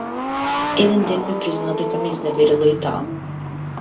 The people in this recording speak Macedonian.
Еден ден ми призна дека ме изневерила и таа.